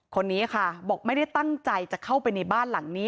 คนนี้ค่ะบอกไม่ได้ตั้งใจจะเข้าไปในบ้านหลังนี้